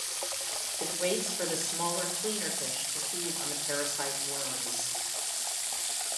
It waits for the smaller cleaner fish to feed on the parasite worms.